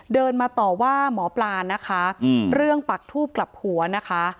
เดินมาต่อว่าหมอปลานะคะเรื่องปักทูบกลับหัวนะคะ